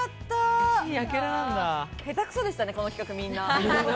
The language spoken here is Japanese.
下手くそでしたね、この企画、みんな。